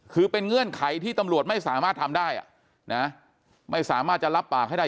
คือเป็นเงื่อนไขที่ตำรวจไม่สามารถทำได้ไม่สามารถจะรับปากให้ได้